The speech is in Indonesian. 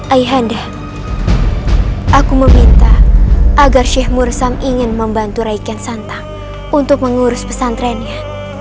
ayanda aku meminta agar sheikh mursam ingin membantu raiken santang untuk mengurus pesantrennya